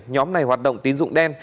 nhóm này hoạt động tín dụng đen